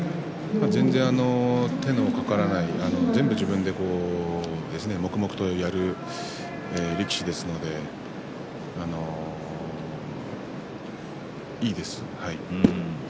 全然手のかからない全部、自分で黙々とやる力士ですのでいいです。